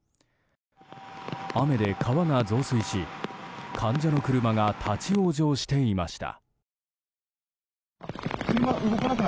雨で川が増水し、患者の車が立ち往生していました。